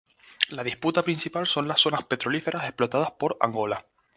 La disputa principal son las zonas petrolíferas explotadas por Angola.